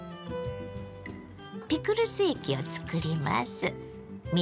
ピクルス液を作ります。